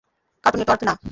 Cartoon Network না।